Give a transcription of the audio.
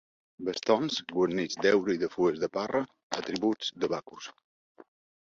Bastons guarnits d'heura i de fulles de parra, atributs de Bacus.